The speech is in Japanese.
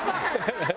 ハハハ！